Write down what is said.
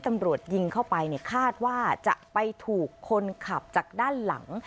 ตำรวจยิงเข้าไปเนี่ยคาดว่าจะไปถูกคนขับจากด้านหลัง